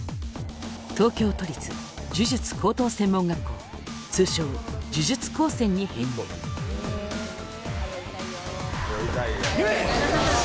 東京都立呪術高等専門学校通称・呪術高専に編入「鵺」！